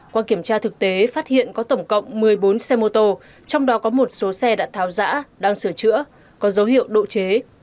qua kiểm tra thực tế phát hiện có tổng cộng một mươi bốn xe mô tô trong đó có một số xe đã tháo giã đang sửa chữa có dấu hiệu độ chế